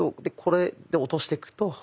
でこれで落としてくと。